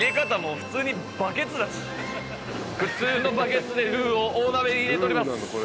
普通のバケツでルウを大鍋に入れております。